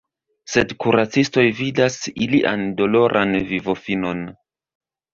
Sed kuracistoj vidas ilian doloran vivofinon.